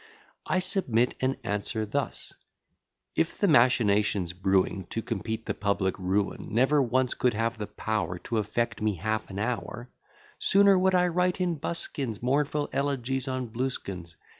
I submit; and answer thus: If the machinations brewing, To complete the public ruin, Never once could have the power To affect me half an hour; Sooner would I write in buskins, Mournful elegies on Blueskins.